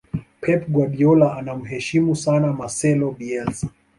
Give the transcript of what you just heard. pep guardiola anamuheshimu sana marcelo bielsa